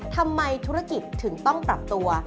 ทำไมธุรกิจถึงต้องปรับตัว